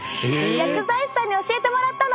薬剤師さんに教えてもらったの！